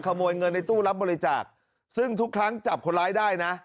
ขโมยเงินในตู้รับบริจาคซึ่งทุกครั้งจับคนร้ายได้นะ